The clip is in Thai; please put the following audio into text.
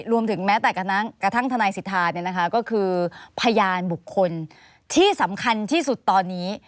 รวมถึงแม้แต่กระทั่งทนายสิทธาเนี่ยนะคะก็คือพยานบุคคลที่สำคัญที่สุดตอนนี้